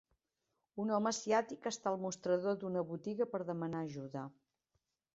Un home asiàtic està al mostrador d'una botiga per demanar ajuda